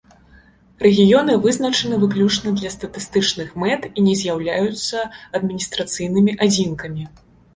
Рэгіёны вызначаны выключна для статыстычных мэт і не з'яўляюцца адміністрацыйнымі адзінкамі.